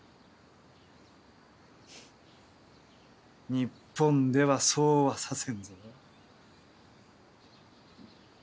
フッ日本ではそうはさせんぞ。